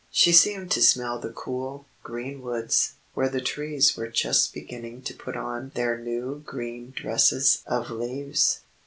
She seemed to smell the cool, green woods, where the trees were just beginning to put on their new green dresses of leaves.